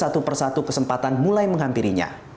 dan satu persatu kesempatan mulai menghampirinya